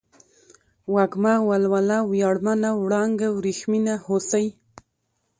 وږمه ، ولوله ، وياړمنه ، وړانگه ، ورېښمينه ، هوسۍ